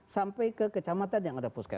sampai ke kecamatan yang ada puskes